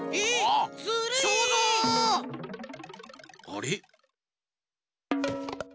あれ？